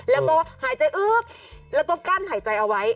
แล้วตัวหายใจและตัวกั้นหายใจเอาไว้